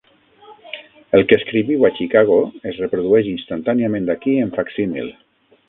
El que escriviu a Chicago es reprodueix instantàniament aquí en facsímil.